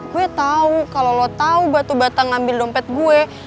gue tau kalo lo tau batu bata ngambil dompet gue